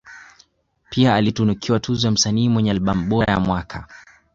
Pia alitunukiwa tuzo ya msanii mwenye albamu bora ya mwaka